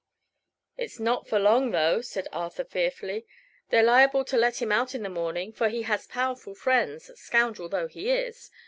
"It's not for long, though," said Arthur, fearfully. "They're liable to let him out in the morning, for he has powerful friends, scoundrel though he is.